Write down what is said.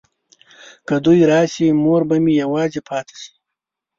که دوی راشي مور به مې یوازې پاته شي.